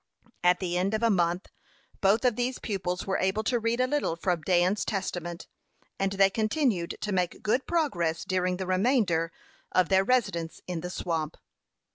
At the end of a month both of these pupils were able to read a little from Dan's Testament, and they continued to make good progress during the remainder of their residence in the swamp.